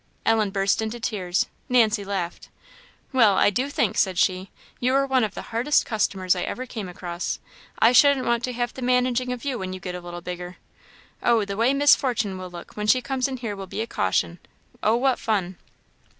Ellen burst into tears. Nancy laughed. "Well, I do think," said she, "you are one of the hardest customers ever I came across. I shouldn't want to have the managing of you when you get a little bigger. Oh, the way Miss Fortune will look, when she comes in here will be a caution! Oh, what fun!"